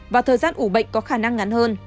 và thời gian ủ bệnh có khả năng ngắn hơn